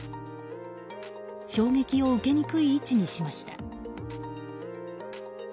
衝撃を受けにくい位置にしました。